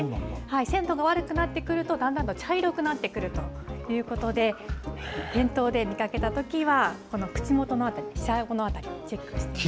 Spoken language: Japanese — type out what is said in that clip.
鮮度が悪くなってくると、だんだんと茶色くなってくるということで、店頭で見かけたときは、この口元の辺り、下あごの辺り、チェックしてください。